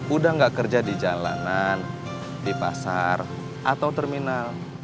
udah gak kerja di jalanan di pasar atau terminal